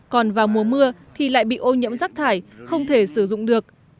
còn vào mùa mưa thì lại bị ô nhiễm rác thải không thể sử dụng được